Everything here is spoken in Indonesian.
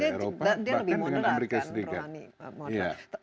dan dia lebih moner akan rouhani